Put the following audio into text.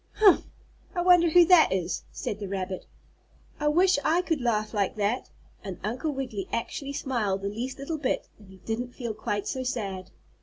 "Humph! I wonder who that is?" said the rabbit. "I wish I could laugh like that," and Uncle Wiggily actually smiled the least little bit, and he didn't feel quite so sad.